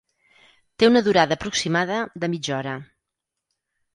Té una durada aproximada de mitja hora.